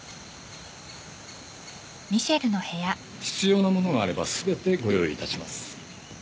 必要なものがあれば全てご用意いたします。